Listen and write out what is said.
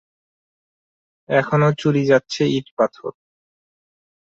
এখনও চুরি যাচ্ছে ইট-পাথর।